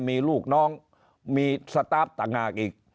มีลูกน้องมีสตาร์ฟต่างหากอีก